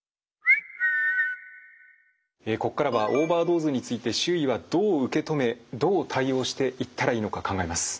ここからはオーバードーズについて周囲はどう受け止めどう対応していったらいいのか考えます。